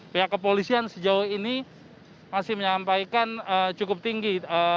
pihak kepolisian sejauh ini masih menyampaikan cukup tinggi